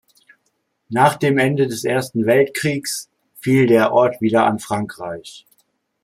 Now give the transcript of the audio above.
Nach dem Ende des Ersten Weltkrieges fiel der Ort wieder an Frankreich.